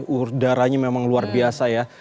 udaranya memang luar biasa ya